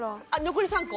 残り３個。